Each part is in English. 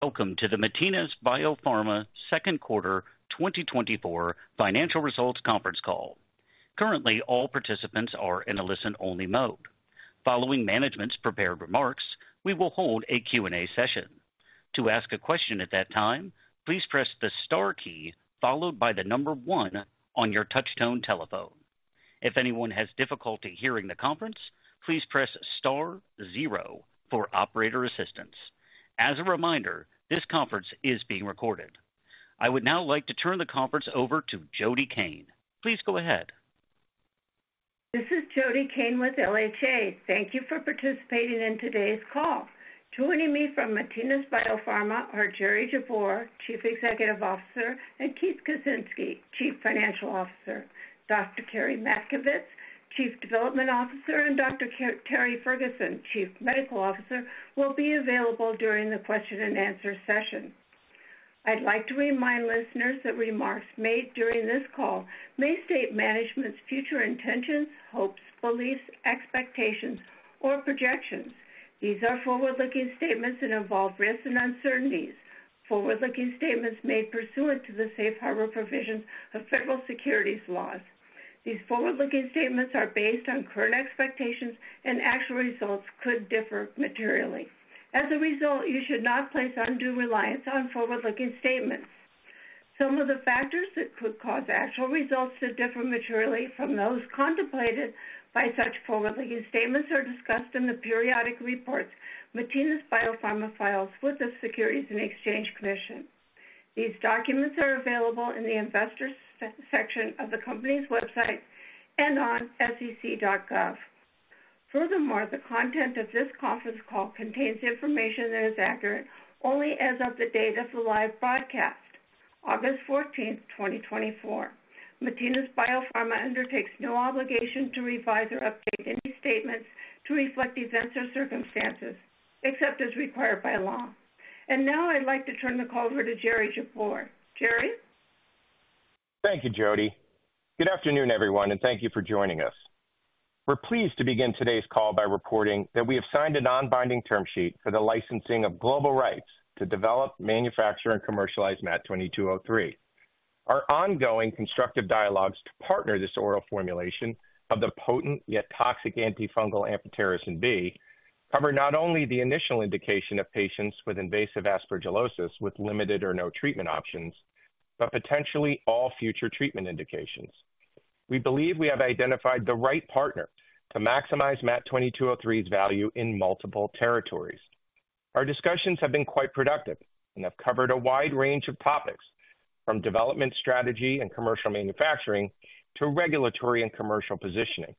Welcome to the Matinas BioPharma Second Quarter 2024 Financial Results conference call. Currently, all participants are in a listen-only mode. Following management's prepared remarks, we will hold a Q&A session. To ask a question at that time, please press the star key, followed by the number one on your touchtone telephone. If anyone has difficulty hearing the conference, please press star zero for operator assistance. As a reminder, this conference is being recorded. I would now like to turn the conference over to Jody Cain. Please go ahead. This is Jody Cain with LHA. Thank you for participating in today's call. Joining me from Matinas BioPharma are Jerry Jabbour, Chief Executive Officer, and Keith Kucinski, Chief Financial Officer. Dr. Terry Matkovits, Chief Development Officer, and Dr. Terry Ferguson, Chief Medical Officer, will be available during the question and answer session. I'd like to remind listeners that remarks made during this call may state management's future intentions, hopes, beliefs, expectations, or projections. These are forward-looking statements and involve risks and uncertainties. Forward-looking statements made pursuant to the safe harbor provisions of federal securities laws. These forward-looking statements are based on current expectations, and actual results could differ materially. As a result, you should not place undue reliance on forward-looking statements. Some of the factors that could cause actual results to differ materially from those contemplated by such forward-looking statements are discussed in the periodic reports Matinas BioPharma files with the Securities and Exchange Commission. These documents are available in the investors section of the company's website and on sec.gov. Furthermore, the content of this conference call contains information that is accurate only as of the date of the live broadcast, August 14th, 2024. Matinas BioPharma undertakes no obligation to revise or update any statements to reflect events or circumstances, except as required by law. Now I'd like to turn the call over to Jerry Jabbour. Jerry? Thank you, Jody. Good afternoon, everyone, and thank you for joining us. We're pleased to begin today's call by reporting that we have signed a non-binding term sheet for the licensing of global rights to develop, manufacture, and commercialize MAT2203. Our ongoing constructive dialogues to partner this oral formulation of the potent yet toxic antifungal amphotericin B cover not only the initial indication of patients with invasive aspergillosis with limited or no treatment options, but potentially all future treatment indications. We believe we have identified the right partner to maximize MAT2203's value in multiple territories. Our discussions have been quite productive and have covered a wide range of topics, from development, strategy, and commercial manufacturing to regulatory and commercial positioning.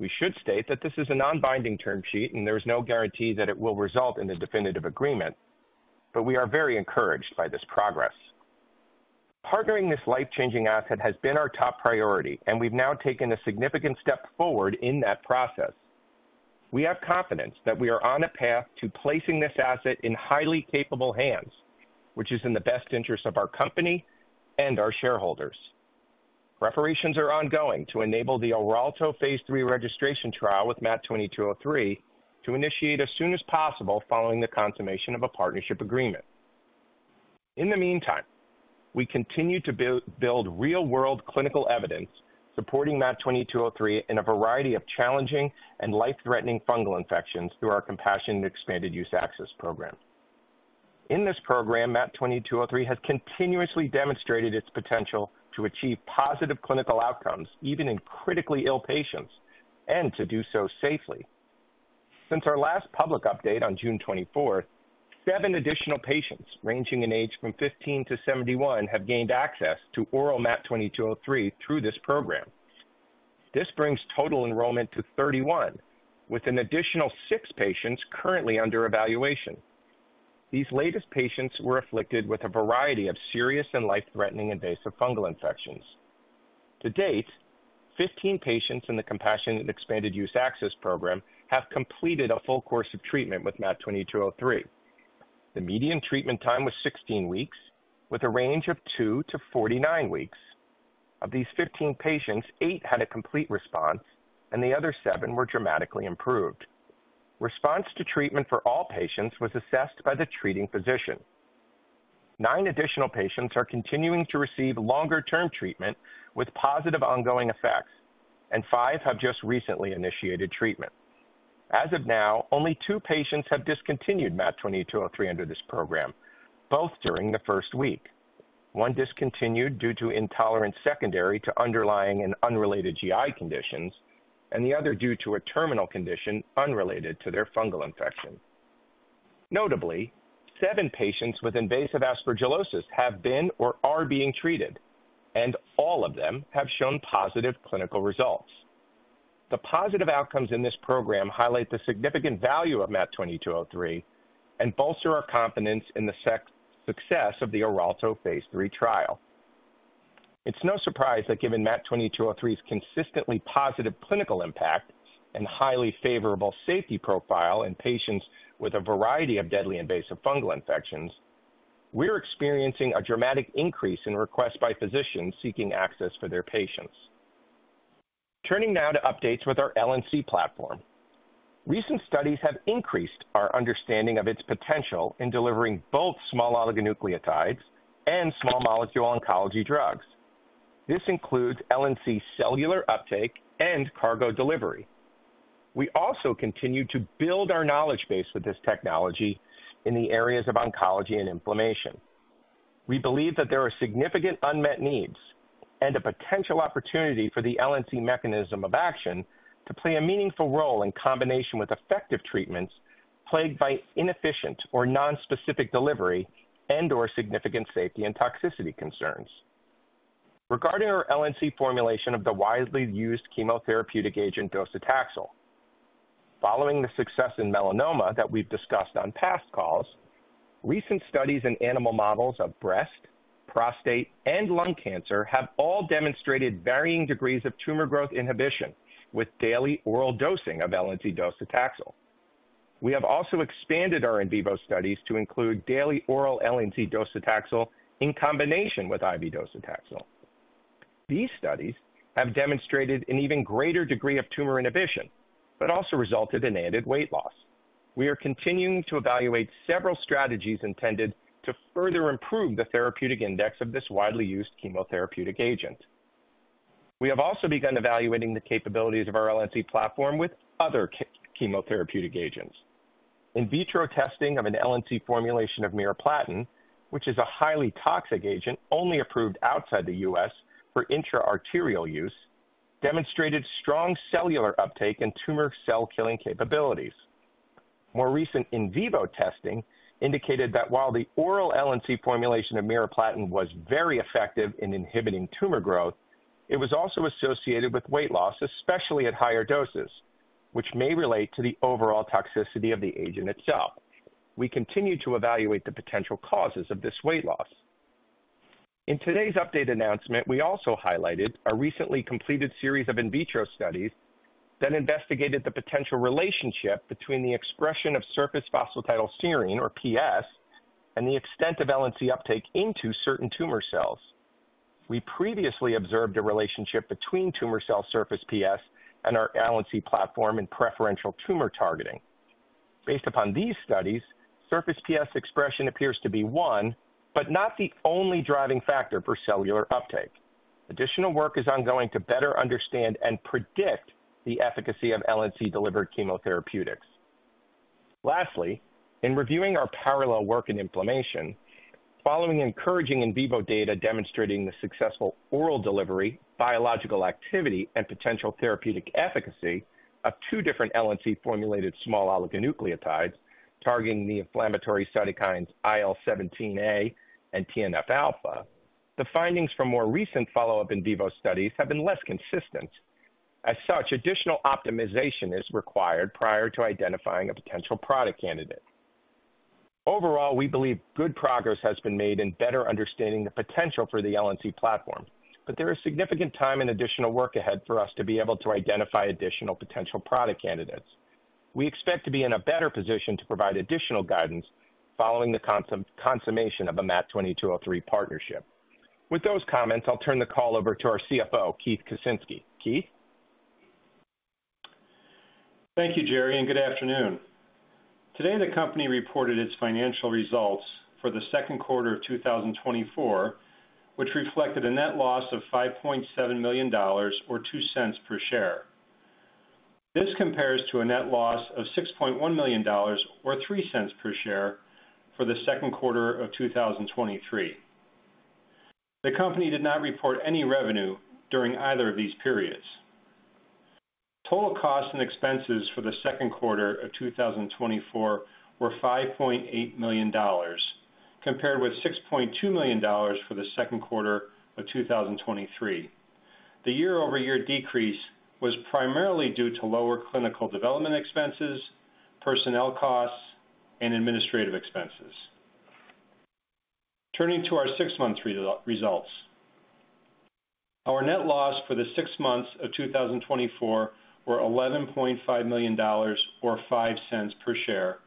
We should state that this is a non-binding term sheet and there is no guarantee that it will result in a definitive agreement, but we are very encouraged by this progress. Partnering this life-changing asset has been our top priority, and we've now taken a significant step forward in that process. We have confidence that we are on a path to placing this asset in highly capable hands, which is in the best interest of our company and our shareholders. Preparations are ongoing to enable the ORALTO phase III registration trial with MAT2203 to initiate as soon as possible following the consummation of a partnership agreement. In the meantime, we continue to build real-world clinical evidence supporting MAT2203 in a variety of challenging and life-threatening fungal infections through our Compassionate Expanded Use Access Program. In this program, MAT2203 has continuously demonstrated its potential to achieve positive clinical outcomes, even in critically ill patients, and to do so safely. Since our last public update on June 24, seven additional patients, ranging in age from 15-71, have gained access to oral MAT2203 through this program. This brings total enrollment to 31, with an additional six patients currently under evaluation. These latest patients were afflicted with a variety of serious and life-threatening invasive fungal infections. To date, 15 patients in the Compassionate Expanded Use Access Program have completed a full course of treatment with MAT2203. The median treatment time was 16 weeks, with a range of two to 49 weeks. Of these 15 patients, eight had a complete response and the other seven were dramatically improved. Response to treatment for all patients was assessed by the treating physician. Nine additional patients are continuing to receive longer-term treatment with positive ongoing effects, and five have just recently initiated treatment. As of now, only two patients have discontinued MAT2203 under this program, both during the first week. One discontinued due to intolerance secondary to underlying and unrelated GI conditions, and the other due to a terminal condition unrelated to their fungal infection. Notably, seven patients with invasive aspergillosis have been or are being treated, and all of them have shown positive clinical results. The positive outcomes in this program highlight the significant value of MAT2203 and bolster our confidence in the success of the ORALTO phase III trial. It's no surprise that given MAT2203's consistently positive clinical impact and highly favorable safety profile in patients with a variety of deadly invasive fungal infections, we're experiencing a dramatic increase in requests by physicians seeking access for their patients. Turning now to updates with our LNC platform. Recent studies have increased our understanding of its potential in delivering both small oligonucleotides and small molecule oncology drugs. This includes LNC cellular uptake and cargo delivery. We also continue to build our knowledge base with this technology in the areas of oncology and inflammation. We believe that there are significant unmet needs and a potential opportunity for the LNC mechanism of action to play a meaningful role in combination with effective treatments plagued by inefficient or non-specific delivery and/or significant safety and toxicity concerns. Regarding our LNC formulation of the widely used chemotherapeutic agent docetaxel, following the success in melanoma that we've discussed on past calls, recent studies in animal models of breast, prostate, and lung cancer have all demonstrated varying degrees of tumor growth inhibition with daily oral dosing of LNC-docetaxel. We have also expanded our in vivo studies to include daily oral LNC-docetaxel in combination with IV docetaxel. These studies have demonstrated an even greater degree of tumor inhibition, but also resulted in added weight loss. We are continuing to evaluate several strategies intended to further improve the therapeutic index of this widely used chemotherapeutic agent. We have also begun evaluating the capabilities of our LNC platform with other chemotherapeutic agents. In vitro testing of an LNC formulation of Miriplatin, which is a highly toxic agent, only approved outside the U.S., for intra-arterial use, demonstrated strong cellular uptake and tumor cell killing capabilities. More recent in vivo testing indicated that while the oral LNC formulation of miriplatin was very effective in inhibiting tumor growth, it was also associated with weight loss, especially at higher doses, which may relate to the overall toxicity of the agent itself. We continue to evaluate the potential causes of this weight loss. In today's update announcement, we also highlighted a recently completed series of in vitro studies that investigated the potential relationship between the expression of surface phosphatidylserine or PS, and the extent of LNC uptake into certain tumor cells. We previously observed a relationship between tumor cell surface PS and our LNC platform in preferential tumor targeting. Based upon these studies, surface PS expression appears to be one, but not the only driving factor for cellular uptake. Additional work is ongoing to better understand and predict the efficacy of LNC-delivered chemotherapeutics. Lastly, in reviewing our parallel work in inflammation, following encouraging in vivo data demonstrating the successful oral delivery, biological activity, and potential therapeutic efficacy of two different LNC-formulated small oligonucleotides targeting the inflammatory cytokines IL-17A and TNF alpha, the findings from more recent follow-up in vivo studies have been less consistent. As such, additional optimization is required prior to identifying a potential product candidate. Overall, we believe good progress has been made in better understanding the potential for the LNC platform, but there is significant time and additional work ahead for us to be able to identify additional potential product candidates. We expect to be in a better position to provide additional guidance following the consummation of a MAT2203 partnership. With those comments, I'll turn the call over to our CFO, Keith Kucinski. Keith? Thank you, Jerry, and good afternoon. Today, the company reported its financial results for the second quarter of 2024, which reflected a net loss of $5.7 million or $0.02 per share. This compares to a net loss of $6.1 million or $0.03 per share for the second quarter of 2023. The company did not report any revenue during either of these periods. Total costs and expenses for the second quarter of 2024 were $5.8 million, compared with $6.2 million for the second quarter of 2023. The year-over-year decrease was primarily due to lower clinical development expenses, personnel costs, and administrative expenses. Turning to our six-month results. Our net loss for the six months of 2024 were $11.5 million, or $0.05 per share,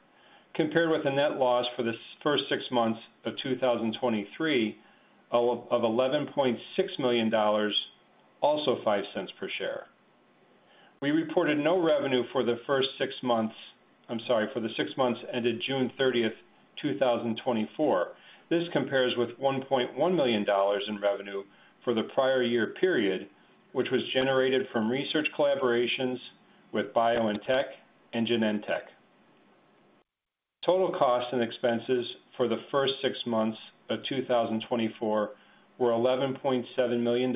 compared with a net loss for the first six months of 2023, of $11.6 million, also $0.05 per share. We reported no revenue for the first six months, I'm sorry, for the six months ended June 30, 2024. This compares with $1.1 million in revenue for the prior year period, which was generated from research collaborations with BioNTech and Genentech. Total costs and expenses for the first six months of 2024 were $11.7 million,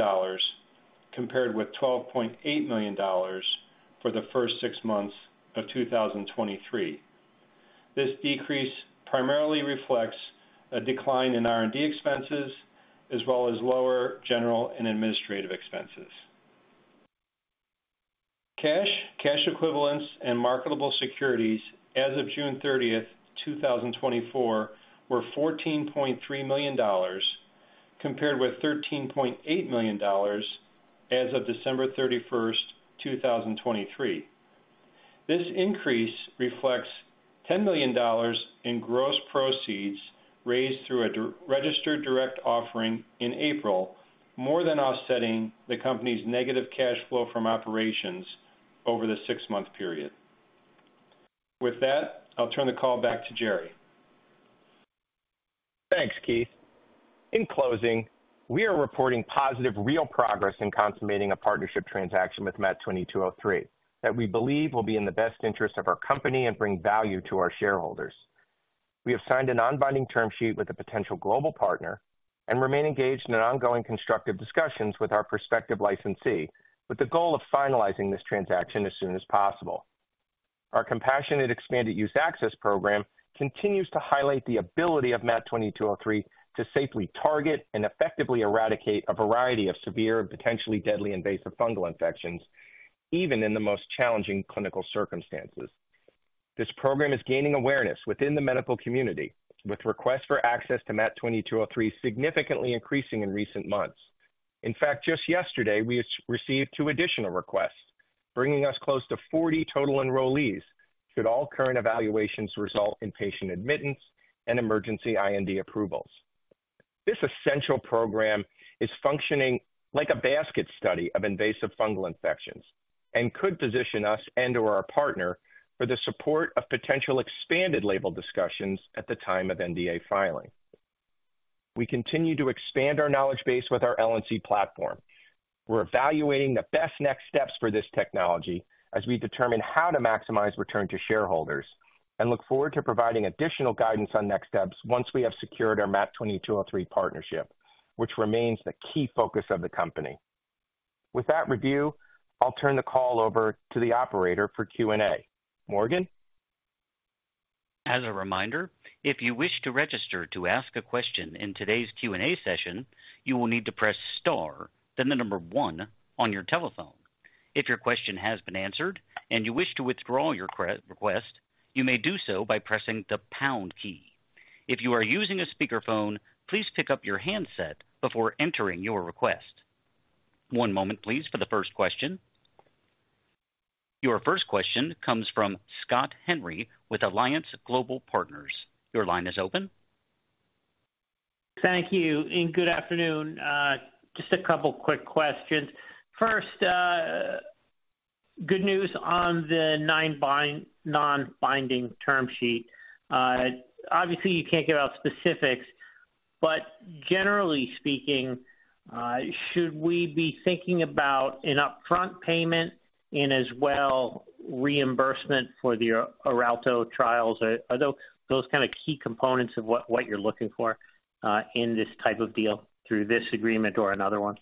compared with $12.8 million for the first six months of 2023. This decrease primarily reflects a decline in R&D expenses, as well as lower general and administrative expenses. Cash, cash equivalents, and marketable securities as of June 30th, 2024, were $14.3 million, compared with $13.8 million as of December 31st, 2023. This increase reflects $10 million in gross proceeds raised through a registered direct offering in April, more than offsetting the company's negative cash flow from operations over the six-month period. With that, I'll turn the call back to Jerry. Thanks, Keith. In closing, we are reporting positive, real progress in consummating a partnership transaction with MAT2203, that we believe will be in the best interest of our company and bring value to our shareholders. We have signed a non-binding term sheet with a potential global partner and remain engaged in ongoing constructive discussions with our prospective licensee, with the goal of finalizing this transaction as soon as possible. Our Compassionate Expanded Use Access Program continues to highlight the ability of MAT2203 to safely target and effectively eradicate a variety of severe, potentially deadly invasive fungal infections, even in the most challenging clinical circumstances. This program is gaining awareness within the medical community, with requests for access to MAT2203 significantly increasing in recent months. In fact, just yesterday, we received two additional requests, bringing us close to 40 total enrollees, should all current evaluations result in patient admittance and emergency IND approvals. This essential program is functioning like a basket study of invasive fungal infections and could position us and or our partner for the support of potential expanded label discussions at the time of NDA filing. We continue to expand our knowledge base with our LNC platform. We're evaluating the best next steps for this technology as we determine how to maximize return to shareholders, and look forward to providing additional guidance on next steps once we have secured our MAT2203 partnership, which remains the key focus of the company. With that review, I'll turn the call over to the operator for Q&A. Morgan? As a reminder, if you wish to register to ask a question in today's Q&A session, you will need to press star, then the number one on your telephone. If your question has been answered and you wish to withdraw your request, you may do so by pressing the pound key. If you are using a speakerphone, please pick up your handset before entering your request. One moment, please, for the first question. Your first question comes from Scott Henry with Alliance Global Partners. Your line is open. Thank you, and good afternoon. Just a couple quick questions. First, good news on the non-binding term sheet. Obviously, you can't give out specifics, but generally speaking, should we be thinking about an upfront payment and as well, reimbursement for the ORALTO trials? Are those kind of key components of what you're looking for in this type of deal through this agreement or another one?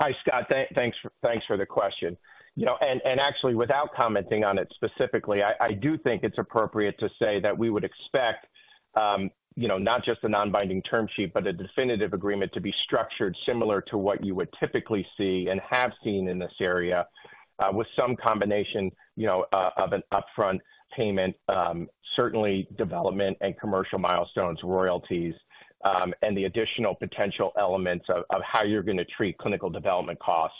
Hi, Scott. Thanks, thanks for the question. You know, actually, without commenting on it specifically, I do think it's appropriate to say that we would expect, you know, not just a non-binding term sheet, but a definitive agreement to be structured similar to what you would typically see and have seen in this area, with some combination, you know, of an upfront payment, certainly development and commercial milestones, royalties, and the additional potential elements of, of how you're going to treat clinical development costs,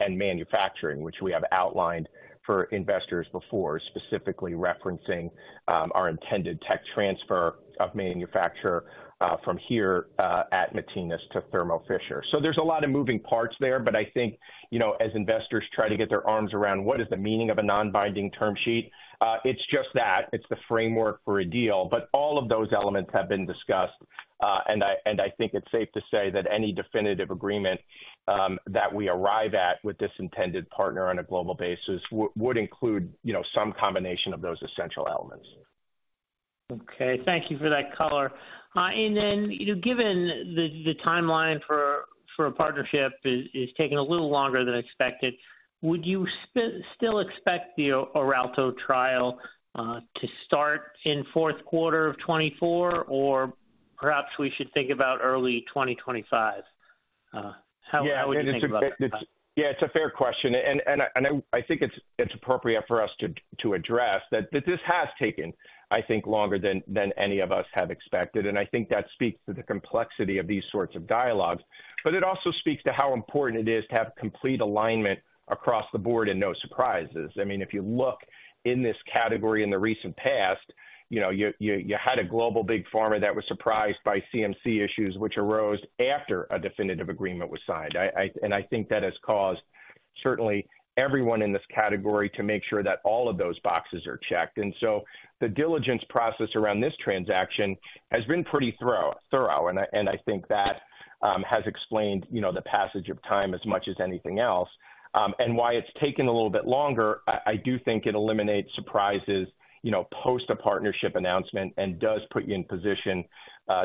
and manufacturing, which we have outlined for investors before, specifically referencing, our intended tech transfer of manufacture, from here, at Matinas to Thermo Fisher. So there's a lot of moving parts there, but I think, you know, as investors try to get their arms around what is the meaning of a non-binding term sheet, it's just that, it's the framework for a deal. But all of those elements have been discussed, and I think it's safe to say that any definitive agreement that we arrive at with this intended partner on a global basis would include, you know, some combination of those essential elements. Okay, thank you for that color. And then, you know, given the timeline for a partnership is taking a little longer than expected, would you still expect the ORALTO trial to start in fourth quarter of 2024, or perhaps we should think about early 2025? How would you think about that? Yeah, it's a fair question, and I think it's appropriate for us to address that this has taken, I think, longer than any of us have expected, and I think that speaks to the complexity of these sorts of dialogues. But it also speaks to how important it is to have complete alignment across the board and no surprises. I mean, if you look in this category in the recent past, you know, you had a global big pharma that was surprised by CMC issues, which arose after a definitive agreement was signed. And I think that has caused certainly everyone in this category to make sure that all of those boxes are checked. So the diligence process around this transaction has been pretty thorough, and I think that has explained, you know, the passage of time as much as anything else. And why it's taken a little bit longer, I do think it eliminates surprises, you know, post a partnership announcement and does put you in position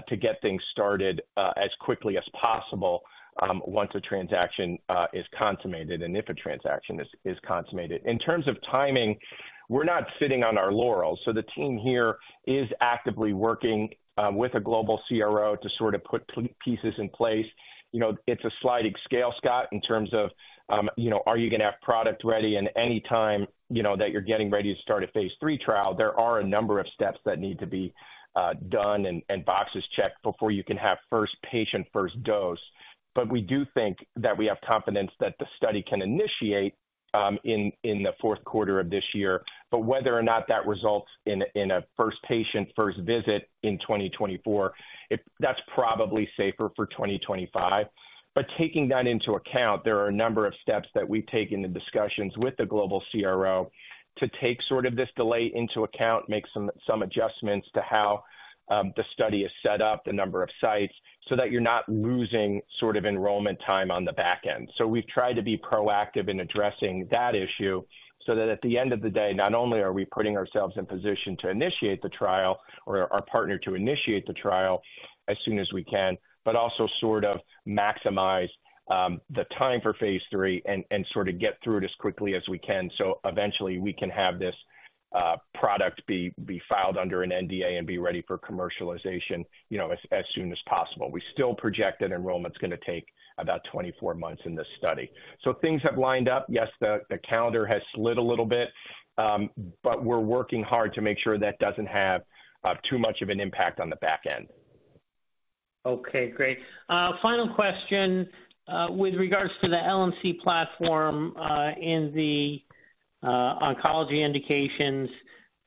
to get things started as quickly as possible once a transaction is consummated, and if a transaction is consummated. In terms of timing, we're not sitting on our laurels, so the team here is actively working with a global CRO to sort of put pieces in place. You know, it's a sliding scale, Scott, in terms of, you know, are you going to have product ready? Any time, you know, that you're getting ready to start a phase III trial, there are a number of steps that need to be done and boxes checked before you can have first patient, first dose. But we do think that we have confidence that the study can initiate in the fourth quarter of this year. But whether or not that results in a first patient, first visit in 2024, that's probably safer for 2025. But taking that into account, there are a number of steps that we've taken in discussions with the global CRO to take sort of this delay into account, make some adjustments to how the study is set up, the number of sites, so that you're not losing sort of enrollment time on the back end. So we've tried to be proactive in addressing that issue so that at the end of the day, not only are we putting ourselves in position to initiate the trial or our partner to initiate the trial as soon as we can, but also sort of maximize the time for phase III and sort of get through it as quickly as we can. So eventually we can have this product be filed under an NDA and be ready for commercialization, you know, as soon as possible. We still project that enrollment's gonna take about 24 months in this study. So things have lined up. Yes, the calendar has slid a little bit, but we're working hard to make sure that doesn't have too much of an impact on the back end. Okay, great. Final question, with regards to the LNC platform, in the oncology indications,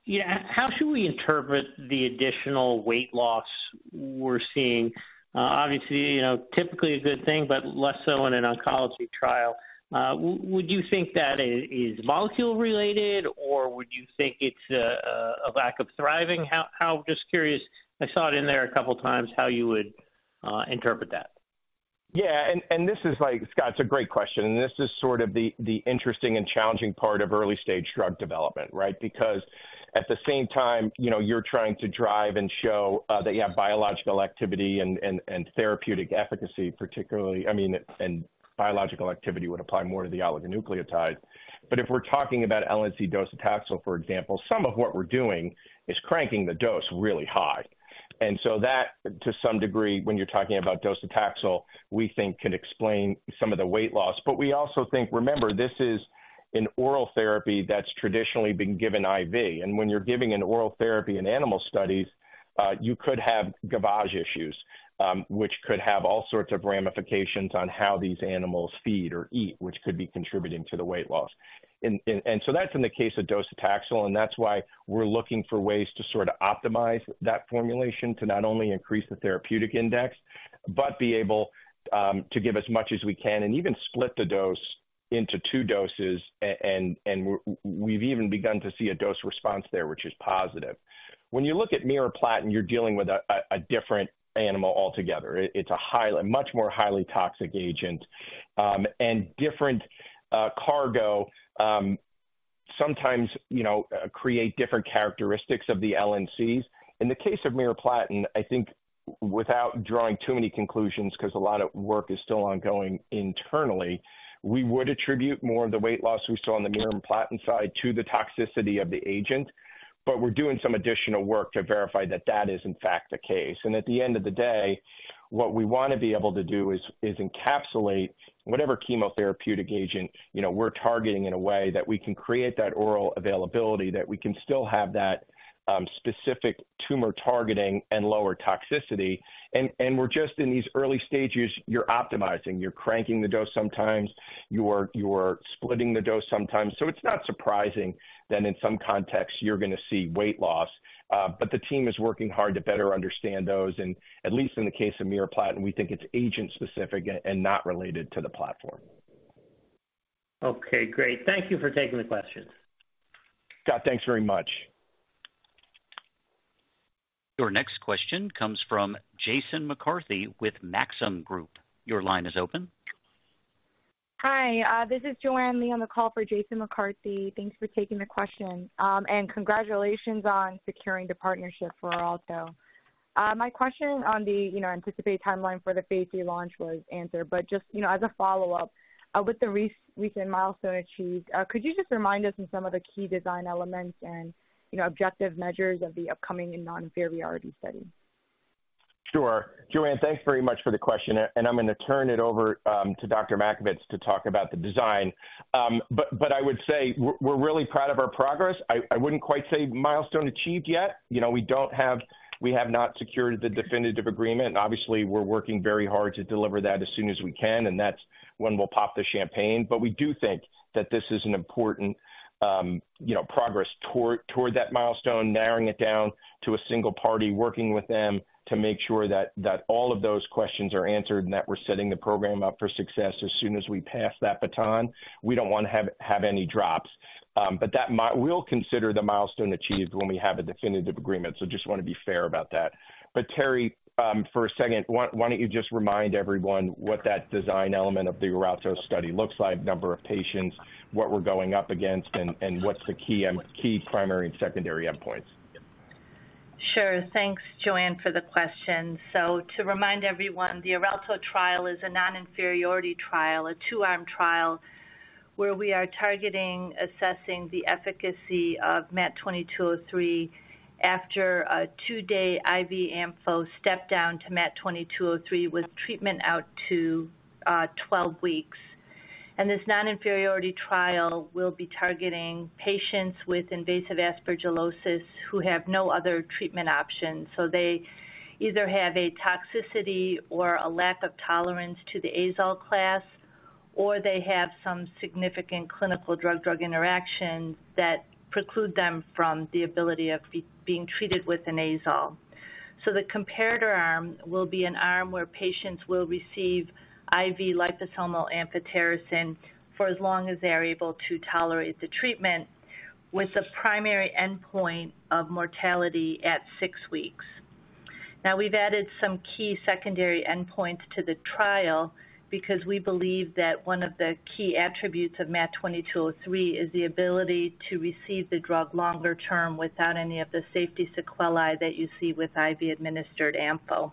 yeah, how should we interpret the additional weight loss we're seeing? Obviously, you know, typically a good thing, but less so in an oncology trial. Would you think that is molecule related, or would you think it's a lack of thriving? Just curious. I saw it in there a couple of times, how you would interpret that. Yeah, and this is like, Scott, it's a great question, and this is sort of the interesting and challenging part of early-stage drug development, right? Because at the same time, you know, you're trying to drive and show that you have biological activity and therapeutic efficacy, particularly, I mean, and biological activity would apply more to the oligonucleotide. But if we're talking about LNC-docetaxel, for example, some of what we're doing is cranking the dose really high. And so that, to some degree, when you're talking about docetaxel, we think could explain some of the weight loss. But we also think, remember, this is an oral therapy that's traditionally been given IV, and when you're giving an oral therapy in animal studies, you could have gavage issues, which could have all sorts of ramifications on how these animals feed or eat, which could be contributing to the weight loss. And so that's in the case of docetaxel, and that's why we're looking for ways to sort of optimize that formulation to not only increase the therapeutic index, but be able to give as much as we can and even split the dose into two doses, and we've even begun to see a dose response there, which is positive. When you look at Miriplatin, you're dealing with a different animal altogether. It's a highly, much more highly toxic agent, and different cargo, sometimes, you know, create different characteristics of the LNCs. In the case of Miriplatin, I think without drawing too many conclusions, because a lot of work is still ongoing internally, we would attribute more of the weight loss we saw on the Miriplatin side to the toxicity of the agent, but we're doing some additional work to verify that that is in fact the case. And at the end of the day, what we want to be able to do is encapsulate whatever chemotherapeutic agent, you know, we're targeting in a way that we can create that oral availability, that we can still have that, specific tumor targeting and lower toxicity. And we're just in these early stages, you're optimizing, you're cranking the dose sometimes, you're splitting the dose sometimes. So it's not surprising that in some contexts you're going to see weight loss, but the team is working hard to better understand those, and at least in the case of Miriplatin, we think it's agent specific and not related to the platform. Okay, great. Thank you for taking the question. Scott, thanks very much. Your next question comes from Jason McCarthy with Maxim Group. Your line is open. Hi, this is Joanne Lee on the call for Jason McCarthy. Thanks for taking the question, and congratulations on securing the partnership for ORALTO. My question on the, you know, anticipated timeline for the phase III launch was answered, but just, you know, as a follow-up, with the recent milestone achieved, could you just remind us on some of the key design elements and, you know, objective measures of the upcoming and non-inferiority study? Sure. Joanne, thanks very much for the question, and I'm going to turn it over to Dr. Matkovits to talk about the design. But I would say we're really proud of our progress. I wouldn't quite say milestone achieved yet. You know, we have not secured the definitive agreement, and obviously, we're working very hard to deliver that as soon as we can, and that's when we'll pop the champagne. But we do think that this is an important, you know, progress toward that milestone, narrowing it down to a single party, working with them to make sure that all of those questions are answered and that we're setting the program up for success as soon as we pass that baton. We don't want to have any drops, but that we'll consider the milestone achieved when we have a definitive agreement, so just want to be fair about that. But Terry, for a second, why don't you just remind everyone what that design element of the ORALTO study looks like, number of patients, what we're going up against, and what's the key primary and secondary endpoints? Sure. Thanks, Joanne, for the question. So to remind everyone, the ORALTO trial is a non-inferiority trial, a 2-arm trial, where we are targeting assessing the efficacy of MAT2203 after a 2-day IV ampho step down to MAT2203 with treatment out to 12 weeks. And this non-inferiority trial will be targeting patients with invasive aspergillosis who have no other treatment options. So they either have a toxicity or a lack of tolerance to the azole class, or they have some significant clinical drug-drug interactions that preclude them from the ability of being treated with an azole. So the comparator arm will be an arm where patients will receive IV liposomal amphotericin for as long as they're able to tolerate the treatment, with the primary endpoint of mortality at 6 weeks. Now, we've added some key secondary endpoints to the trial because we believe that one of the key attributes of MAT2203 is the ability to receive the drug longer term without any of the safety sequelae that you see with IV-administered ampho.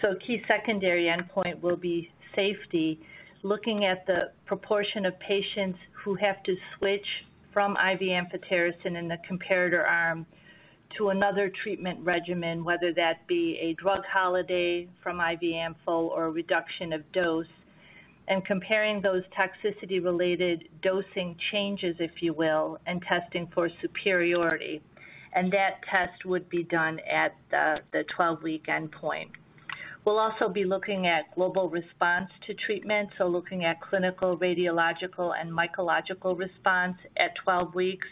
So a key secondary endpoint will be safety, looking at the proportion of patients who have to switch from IV amphotericin in the comparator arm to another treatment regimen, whether that be a drug holiday from IV ampho or a reduction of dose, and comparing those toxicity-related dosing changes, if you will, and testing for superiority. And that test would be done at the 12-week endpoint. We'll also be looking at global response to treatment, so looking at clinical, radiological, and mycological response at 12 weeks,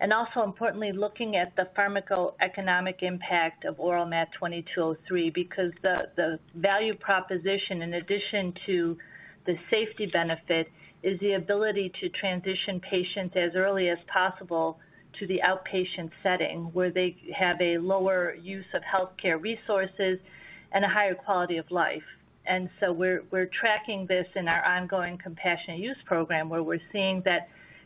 and also importantly, looking at the pharmacoeconomic impact of oral MAT2203 because the value proposition, in addition to the safety benefit, is the ability to transition patients as early as possible to the outpatient setting, where they have a lower use of healthcare resources and a higher quality of life. And so we're tracking this in our ongoing compassionate use program, where we're seeing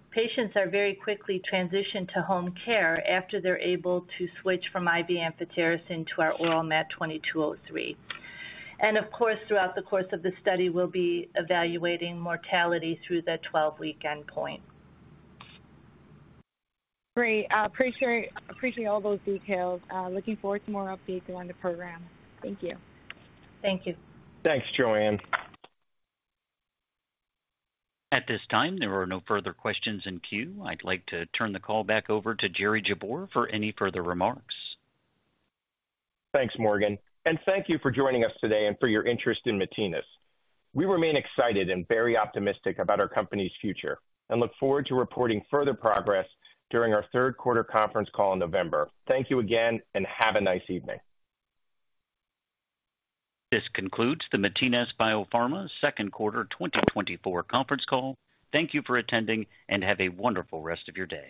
that patients are very quickly transitioned to home care after they're able to switch from IV amphotericin to our oral MAT2203. And of course, throughout the course of the study, we'll be evaluating mortality through the 12-week endpoint. Great. I appreciate all those details. Looking forward to more updates on the program. Thank you. Thank you. Thanks, Joanne. At this time, there are no further questions in queue. I'd like to turn the call back over to Jerry Jabbour for any further remarks. Thanks, Morgan, and thank you for joining us today and for your interest in Matinas. We remain excited and very optimistic about our company's future and look forward to reporting further progress during our third quarter conference call in November. Thank you again, and have a nice evening. This concludes the Matinas BioPharma Second Quarter 2024 conference call. Thank you for attending, and have a wonderful rest of your day.